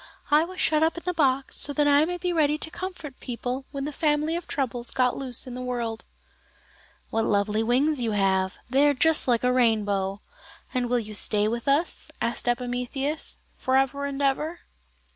"I was shut up in the box so that I might be ready to comfort people when the family of troubles got loose in the world." "What lovely wings you have! They are just like a rainbow. And will you stay with us," asked Epimetheus, "for ever and ever?"